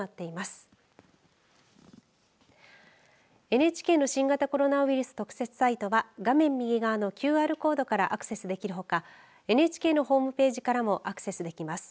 ＮＨＫの新型コロナウイルス特設サイトは画面右側のＱＲコードからアクセスできるほかＮＨＫのホームページからもアクセスできます。